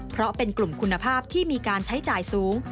เพราะเป็นกลุ่มคุณภาพที่มีการใช้จ่ายสูง